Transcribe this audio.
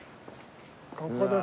ここです